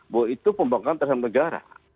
bahwa itu pembangkangan terhadap negara